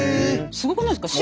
すごくないですか？